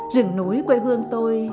rừng núi quê hương tôi